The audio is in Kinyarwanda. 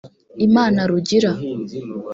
Imana Rugira